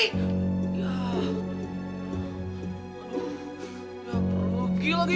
udah pergi lagi